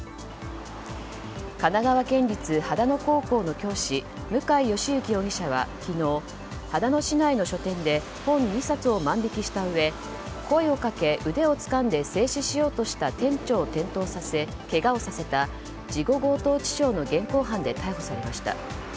神奈川県立秦野高校の教師向井容疑者は昨日秦野市内の書店で本２冊を万引きしたうえ声をかけ、腕をつかんで制止しようとした店長を転倒させけがをさせた事後強盗致傷の現行犯で逮捕されました。